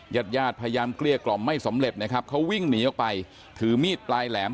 ญาติญาติพยายามเกลี้ยกล่อมไม่สำเร็จนะครับเขาวิ่งหนีออกไปถือมีดปลายแหลม